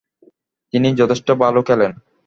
তিনি যথেষ্ট ভালো খেলেন।